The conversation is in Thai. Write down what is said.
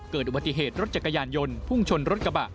เกิดอุบัติเหตุรถจักรยานยนต์พุ่งชนรถกระบะ